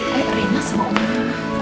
ayolah reyna semua